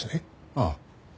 ああ。